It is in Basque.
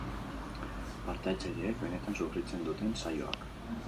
Parte hartzaileek benetan sufritzen duten saioak!